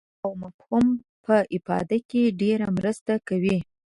د معنا او مفهوم په افاده کې ډېره مرسته کوي.